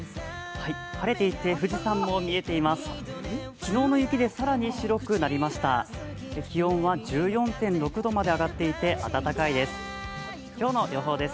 晴れていて富士山も見えています。